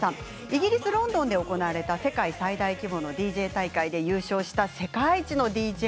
イギリスロンドンで行われた最大規模のＤＪ大会で優勝した世界一のＤＪ。